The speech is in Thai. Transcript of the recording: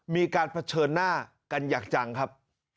มีการเผชิญหน้ากันอย่างจังครับ